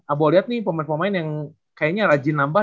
abo lihat nih pemain pemain yang kayaknya rajin nambah